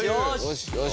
よし！